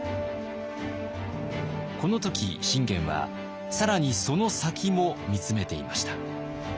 この時信玄は更にその先も見つめていました。